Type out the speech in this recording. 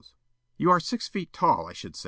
Counsel: "You are six feet tall, I should say?"